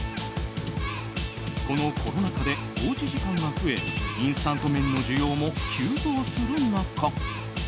このコロナ禍でおうち時間が増えインスタント麺の需要も急増する中